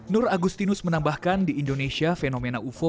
nur agustinus menambahkan di indonesia fenomena ufo